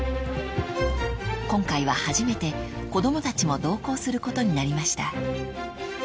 ［今回は初めて子供たちも同行することになりました］